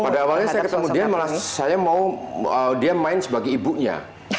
pada awalnya saya ketemu dian malah saya mau dian main sebagai ibunya